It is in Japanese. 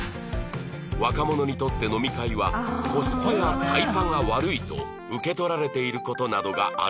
若者にとって飲み会はコスパやタイパが悪いと受け取られている事などがあるそう